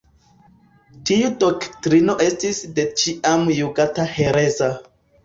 Tiu doktrino estis de ĉiam juĝata hereza.